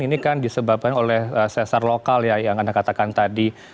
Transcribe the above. ini kan disebabkan oleh sesar lokal ya yang anda katakan tadi